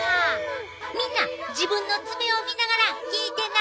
みんな自分の爪を見ながら聞いてな。